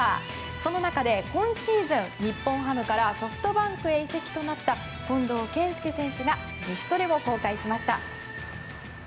その中で、今シーズン日本ハムからソフトバンクへ移籍となった近藤健介選手が自主トレを公開しました。